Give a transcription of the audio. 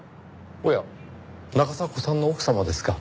おや中迫さんの奥様ですか？